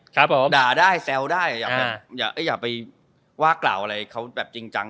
ครับผมด่าได้แซวได้อย่าไปว่ากล่าวอะไรเขาแบบจริงจัง